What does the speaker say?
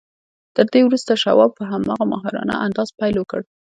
تر دې وروسته شواب په هماغه ماهرانه انداز پیل وکړ